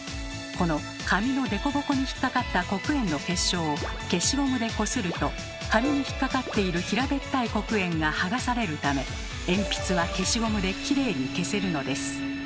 この紙の凸凹に引っ掛かった黒鉛の結晶を消しゴムでこすると紙に引っ掛かっている平べったい黒鉛がはがされるため鉛筆は消しゴムできれいに消せるのです。